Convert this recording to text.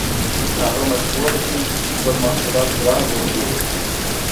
هغه مجبور دی چې خپل محصولات ګران وپلوري